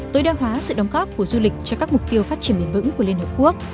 tối đa hóa sự đóng góp của du lịch cho các mục tiêu phát triển bền vững của liên hợp quốc